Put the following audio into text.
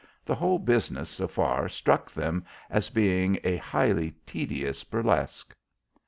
The whole business so far struck them as being a highly tedious burlesque.